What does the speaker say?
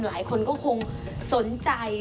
หลายคนก็คงสนใจ